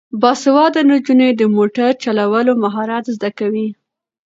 باسواده نجونې د موټر چلولو مهارت زده کوي.